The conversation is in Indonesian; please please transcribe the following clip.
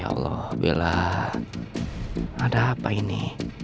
ya allah bila ada apa ini